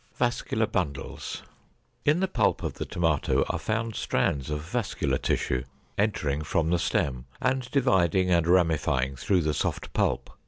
=Vascular Bundles.= In the pulp of the tomato are found strands of vascular tissue, entering from the stem, and dividing and ramifying through the soft pulp.